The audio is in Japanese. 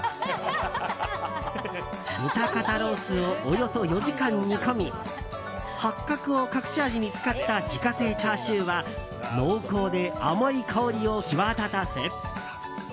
豚肩ロースをおよそ４時間煮込み八角を隠し味に使った自家製チャーシューは濃厚で甘い香りを際立たせ。